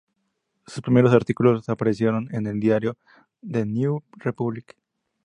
Sus primeros artículos aparecieron en el diario "The New Republic".